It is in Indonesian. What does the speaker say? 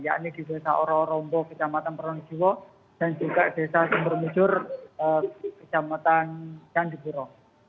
yakni di desa ororombo kecamatan peronjiwo dan juga desa sumber mujur kecamatan candi buro